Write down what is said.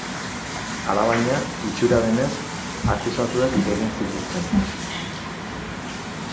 Alabaina, itxura denez, akusatuek egin zituzten.